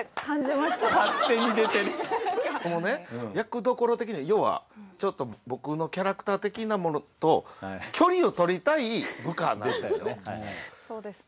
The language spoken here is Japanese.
役どころ的には要はちょっと僕のキャラクター的なものと距離を取りたい部下なんですよ。